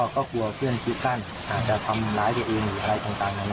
ก็กลัวเพื่อนคิดสั้นอาจจะทำร้ายตัวเองหรืออะไรต่าง